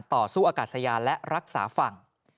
ต่อสู้อากาศยานและรักษาฝั่ง